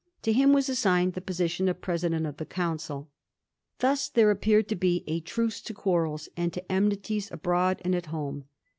To him was assigned the posi tion of president of the council. Thus there appeared to be a truce to quarrels, and to enmities abroad and at home.